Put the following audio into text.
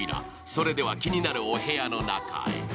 それでは気になるお部屋の中へ。